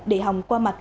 để hòng qua mặt